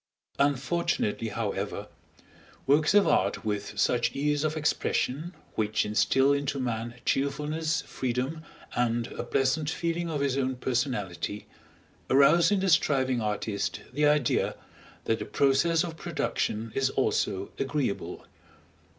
Unfortunately, however, works of art with such ease of expression, which instil into man cheerfulness, freedom, and a pleasant feeling of his own personality, arouse in the striving artist the idea that the process of production is also agreeable.